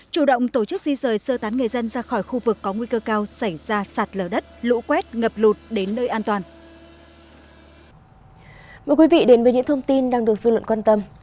chủ động tổ chức di rời sơ tán người dân ra khỏi khu vực có nguy cơ cao xảy ra sạt lở đất lũ quét ngập lụt đến nơi an toàn